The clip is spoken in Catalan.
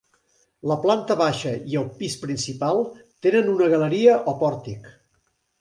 La planta baixa i el pis principal tenen una galeria o pòrtic.